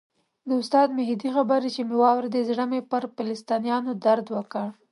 د استاد مهدي خبرې چې مې واورېدې زړه مې پر فلسطینیانو درد وکړ.